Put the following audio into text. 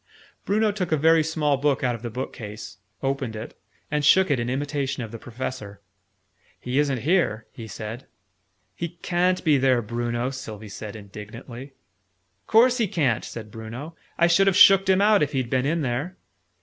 Bruno took a very small book out of the bookcase, opened it, and shook it in imitation of the Professor. "He isn't here," he said. "He ca'n't be there, Bruno!" Sylvie said indignantly. "Course he ca'n't!" said Bruno. "I should have shooked him out, if he'd been in there!"